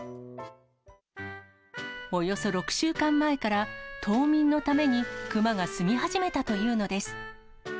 およそ６週間前から、冬眠のために熊が住み始めたというのです。